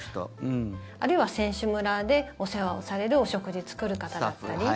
あるいは選手村でお世話をされるお食事作る方だったり。